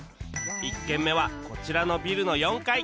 １軒目はこちらのビルの４階